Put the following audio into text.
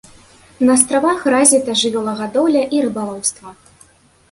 На астравах развіта жывёлагадоўля і рыбалоўства.